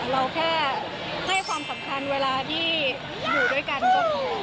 เราแค่ให้ความสำคัญเวลาที่อยู่ด้วยกันก็อยู่